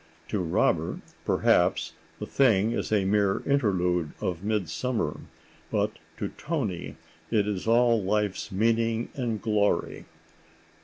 To Robert, perhaps, the thing is a mere interlude of midsummer, but to Toni it is all life's meaning and glory.